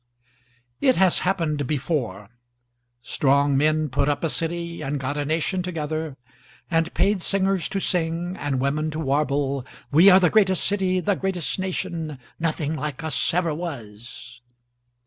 3It has happened before. Strong men put up a city and gota nation together, And paid singers to sing and womento warble: We are the greatest city, the greatest nation, nothing like us ever was.